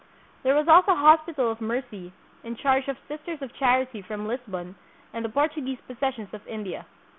There was also a Hospital of Mercy, in charge of Sisters of Charity from Lisbon and the Portuguese possessions of India.